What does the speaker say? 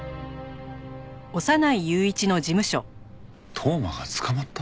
当麻が捕まった？